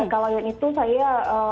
kalau yang itu saya